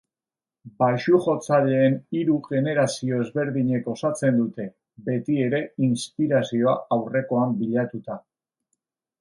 Baxu-jotzaileen hiru generazio ezberdinek osatzen dute, beti ere inspirazioa aurrekoan bilatuta.